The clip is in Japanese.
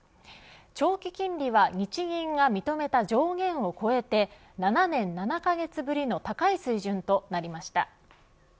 長期金利は日銀が認めた上限を超えて７年７カ月ぶりの高い水準となりました。